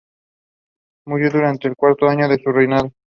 Murió durante el cuarto año de su reinado.